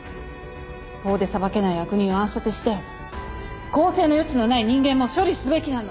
法で裁けない悪人を暗殺して更生の余地のない人間も処理すべきなの。